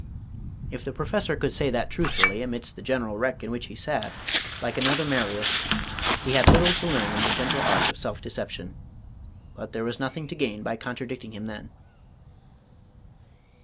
If the Professor could say that truthfully amidst the general wreck in which he sat, like another Marius, he had little to learn in the gentle art of self deception; but there was nothing to gain by contradicting him then.